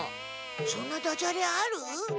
そんなダジャレある？